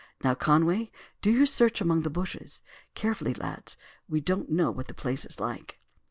Now, Conway, do you search among the bushes. Carefully, lad; we don't know what the place is like."